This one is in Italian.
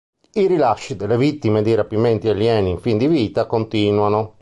I rilasci delle vittime di rapimenti alieni in fin di vita continuano.